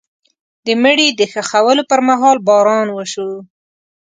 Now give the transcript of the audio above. د مړي د ښخولو پر مهال باران وشو.